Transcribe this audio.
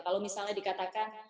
kalau misalnya dikatakan